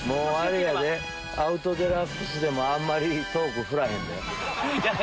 『アウト×デラックス』でもあんまりトークふらへんで。